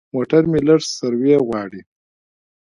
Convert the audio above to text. موټر مې لږ سروي غواړي.